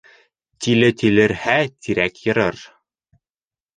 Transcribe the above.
Тиле тилерһә, тирәк йырыр.